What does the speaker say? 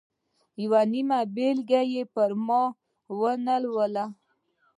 یوه نیمه بېلګه یې پر ما و نه لوروله.